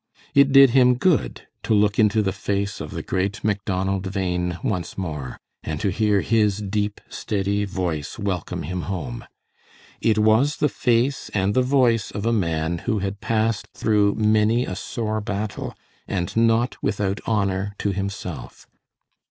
It did him good to look into the face of the great Macdonald Bhain once more, and to hear his deep, steady voice welcome him home. It was the face and the voice of a man who had passed through many a sore battle, and not without honor to himself.